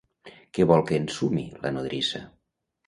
Què vol que ensumi la nodrissa?